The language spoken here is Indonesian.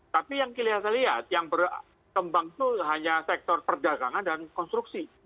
tapi yang saya lihat yang berkembang itu hanya sektor perdagangan dan konstruksi